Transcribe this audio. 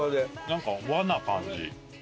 なんか和な感じ。